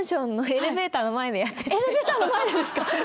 エレベーターの前でですか？